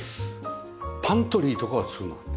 パントリーとかは作らない？